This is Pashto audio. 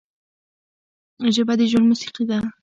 ژبه د ژوند موسیقي ده